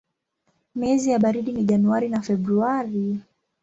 Miezi ya baridi ni Januari na Februari.